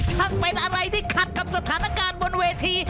ถ้าเป็นอะไรที่ขัดกับสถานการณ์บนเวที